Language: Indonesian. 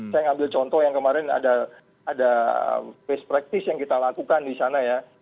saya ngambil contoh yang kemarin ada face practice yang kita lakukan di sana ya